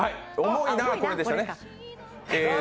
「重いなぁこれ」でしたね。